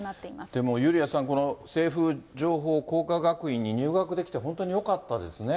でもユリアさん、この清風情報工科学院に入学できて本当によかったですね。